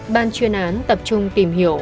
ban chuyên án tập trung tìm hiểu